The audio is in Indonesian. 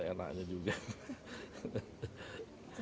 kebenarannya kita enggak tahu